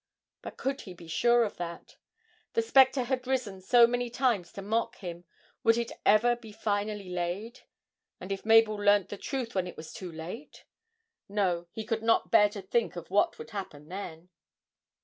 But could he be sure of that? The spectre had risen so many times to mock him, would it ever be finally laid? And if Mabel learnt the truth when it was too late? no, he could not bear to think of what would happen then?